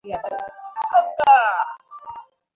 তোকে একটা কাজ দিচ্ছি।